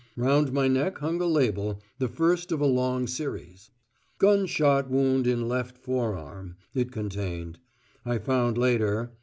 Round my neck hung a label, the first of a long series. "Gun shot wound in left forearm" it contained. I found later